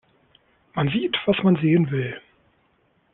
Man sieht, was man sehen will.